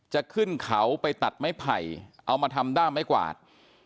จะขึ้นเขาไปตัดไม้ไผ่เอามาทำด้ามไม้กวาด